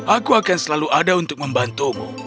aku akan selalu ada untuk membantumu